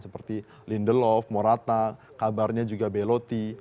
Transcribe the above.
seperti lindelof morata kabarnya juga bellotti